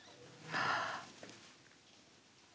ああ！